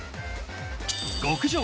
極上！